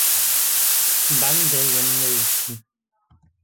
Ben de yanına iliştim.